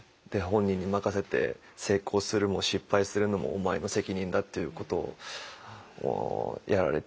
本人に任せて成功するも失敗するのもお前の責任だっていうことをやられていて。